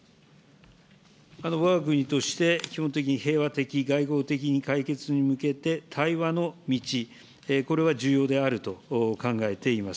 わが国として、基本的平和的外交的に、解決に向けて、対話の道、これは重要であると考えています。